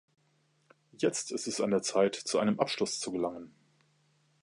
Jetzt ist es an der Zeit, zu einem Abschluss zu gelangen.